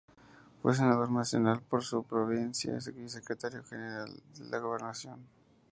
Fue Senador Nacional por su provincia y Secretario General de la Gobernación.